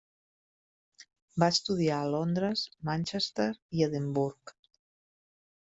Va estudiar a Londres, Manchester i Edimburg.